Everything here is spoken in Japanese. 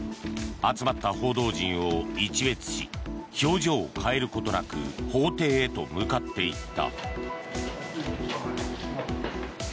集まった報道陣を一瞥し表情を変えることなく法廷へと向かっていった。